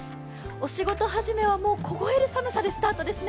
お仕事始めは凍える寒さでスタートですね。